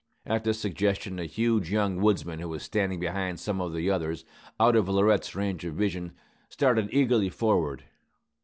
At this suggestion a huge young woodsman who was standing behind some of the others, out of Laurette's range of vision, started eagerly forward.